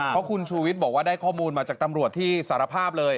เพราะคุณชูวิทย์บอกว่าได้ข้อมูลมาจากตำรวจที่สารภาพเลย